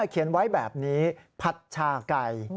เขียนไว้แบบนี้ผัดชาไก่